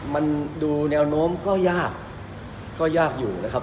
มันดูแนวโน้มก็ยากก็ยากอยู่นะครับ